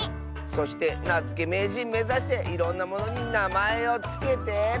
そしてなづけめいじんめざしていろんなものになまえをつけて。